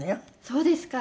そうですか。